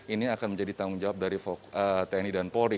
ini akan menjadi tanggung jawab dari tni dan polri